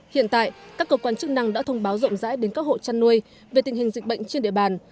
hiện tại các cơ quan chức năng đã thông báo rộng rãi đến các hộ chăn nuôi về tình hình dịch bệnh trên địa bàn